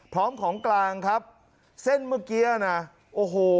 พร้อมของกลางครับเส้นเมื่อกี้นะโอ้โห